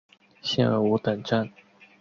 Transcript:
现为五等站。